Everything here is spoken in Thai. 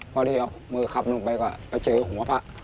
พอดีเอามือขับลงไปก็ไปเจอหัวพระ